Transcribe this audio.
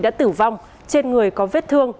đã tử vong trên người có vết thương